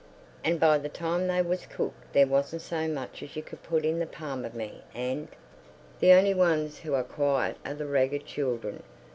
"An' by the time they was cooked there wasn't so much as you could put in the palm of me 'and!" The only ones who are quiet are the ragged children.